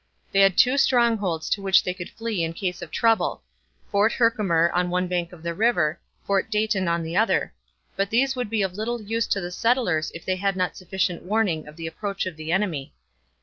They had two strongholds to which they could flee in case of trouble, Fort Herkimer on one bank of the river, Fort Dayton on the other; but these would be of little use to the settlers if they had not sufficient warning of the approach of the enemy.